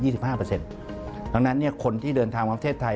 ดังนั้นคนที่เดินทางมาประเทศไทย